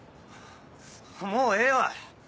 もうええわ！